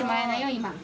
今。